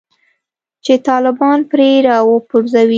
چې طالبان پرې راوپرځوي